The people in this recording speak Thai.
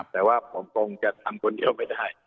แต่ว่าผมคงจะทำคนเดียวไม่ได้